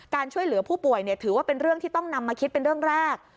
ช่วยเหลือผู้ป่วยถือว่าเป็นเรื่องที่ต้องนำมาคิดเป็นเรื่องแรก